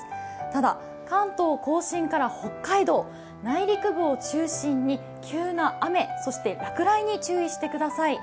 ただ、関東甲信から北海道内陸部を中心に急な雨、そして落雷に注意してください。